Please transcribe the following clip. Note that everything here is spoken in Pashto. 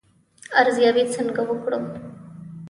ارزیابي څنګه وکړو؟